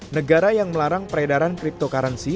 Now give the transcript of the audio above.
negara yang melarang peredaran cryptocurrency